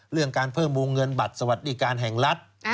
เรื่องการเพิ่มวงเงินบัตรสวัสดิการแห่งรัฐ